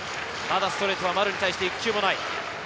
まだストレートは丸に対して１球もない。